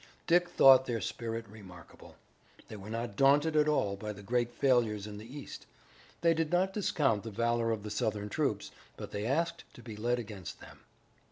Dick thought their spirit remarkable. They were not daunted at all by the great failures in the east. They did not discount the valor of the Southern troops, but they asked to be led against them.